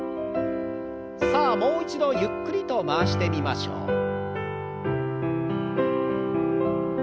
さあもう一度ゆっくりと回してみましょう。